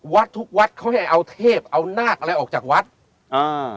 วัดทุกวัดเขาให้เอาเทพเอานาคอะไรออกจากวัดอ่า